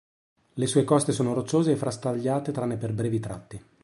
Le sue coste sono rocciose e frastagliate tranne per brevi tratti.